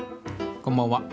こんばんは。